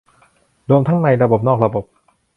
ทั้งในระบบนอกระบบ